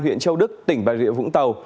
huyện châu đức tỉnh bà rịa vũng tàu